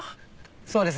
そうです。